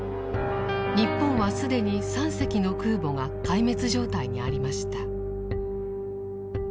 日本は既に３隻の空母が壊滅状態にありました。